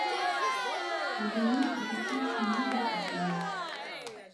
Ad iniɣ d akken tḥemmleḍ axeddim-ik.